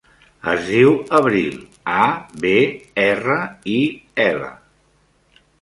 Es diu Abril: a, be, erra, i, ela.